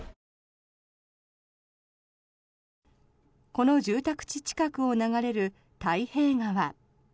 この住宅地近くを流れる太平川。